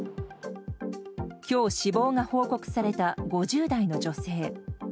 きょう、死亡が報告された５０代の女性。